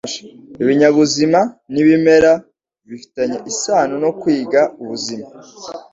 Ibinyabuzima n'ibimera bifitanye isano no kwiga ubuzima.